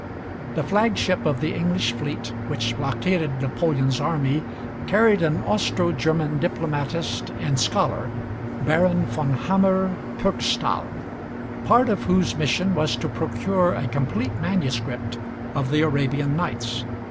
The flagship of the English fleet which blockaded Napoleon's army carried an Austro German diplomatist and scholar, Baron von Hammer Purgstall, part of whose mission was to procure a complete manuscript of the 'Arabian Nights.'